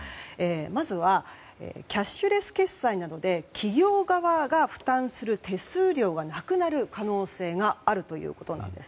まずはキャッシュレス決済などで企業側が負担する手数料がなくなる可能性があるということです。